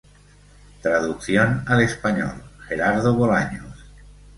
Traducción al español: Gerardo Bolaños.